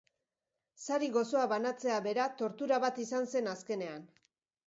Sari gozoa banatzea bera tortura bat izan zen azkenean.